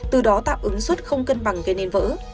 từ đó tạm ứng xuất không cân bằng gây nên vỡ